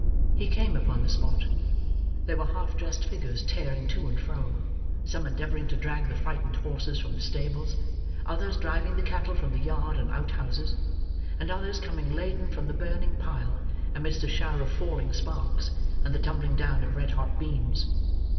He came upon the spot. There were half dressed figures tearing to and fro, some endeavouring to drag the frightened horses from the stables, others driving the cattle from the yard and out houses, and others coming laden from the burning pile, amidst a shower of falling sparks, and the tumbling down of red hot beams.